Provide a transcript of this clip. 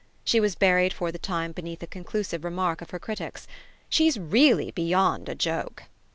She was buried for the time beneath a conclusive remark of her critic's: "She's really beyond a joke!"